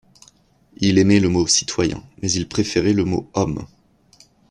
Il aimait le mot citoyen, mais il préférait le mot homme.